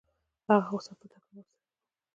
هغه غوسه پټه کړم او ستړی وم.